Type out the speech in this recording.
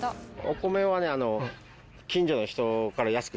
お米はね。